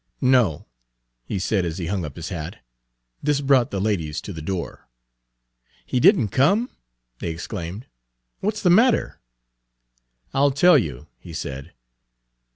"No," he said as he hung up his hat. This brought the ladies to the door. "He did n't come?" they exclaimed. "What's the matter?" "I'll tell you," he said.